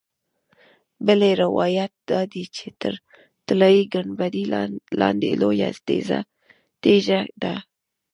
بل روایت دا دی چې تر طلایي ګنبدې لاندې لویه تیږه ده.